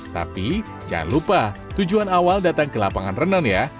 tapi jangan lupa tujuan awal datang ke lapangan renon ya